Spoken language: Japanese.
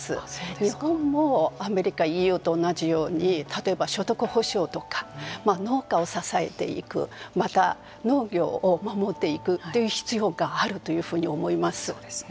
日本もアメリカＥＵと同じように例えば所得補償とか農家を支えていくまた農業を守っていくという必要があるというふうに思います。